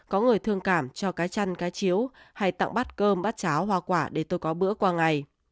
có người thương cảm cho cái chăn cá chiếu hay tặng bát cơm bát cháo hoa quả để tôi có bữa qua ngày